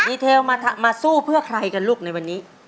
เทลมาสู้เพื่อใครกันลูกในวันนี้